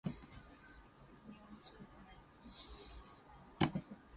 Some features not yet working.